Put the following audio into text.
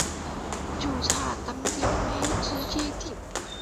就差当天没直接订